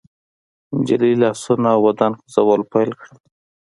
نجلۍ لاسونه او بدن خوځول پيل کړل.